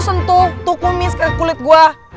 kalo lo sentuh tuh kumis kayak kulit gue